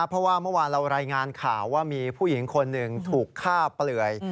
เพราะว่าเมื่อวานเรารายงานข่าวว่ามีผู้หญิงคนหนึ่งถูกฆ่าเปลื่อย